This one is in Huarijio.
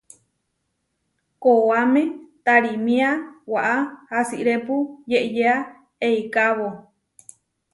Koʼáme tarímia waʼá asirépu yeʼyéa eikábo.